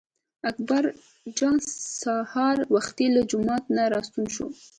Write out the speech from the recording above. اکبر جان سهار وختي له جومات نه راستون شو.